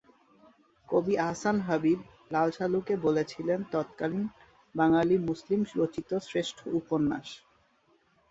কবি আহসান হাবীব "লালসালু"কে বলেছিলেন তৎকালীন "বাঙালি মুসলিম রচিত শ্রেষ্ঠ উপন্যাস"।